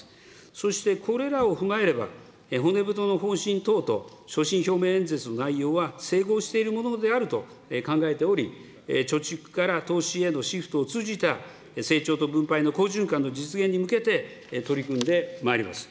そして、これらを踏まえれば、骨太の方針等と所信表明演説の内容は整合しているものであると考えており、貯蓄から投資へのシフトを通じた成長と分配の好循環の実現に向けて取り組んでまいります。